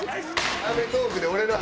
『アメトーーク』で俺の話。